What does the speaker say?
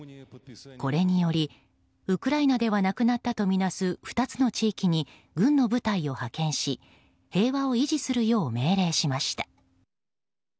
これにより、ウクライナではなくなったとみなす２つの地域に軍の部隊を派遣し平和を維持するよう命令しました。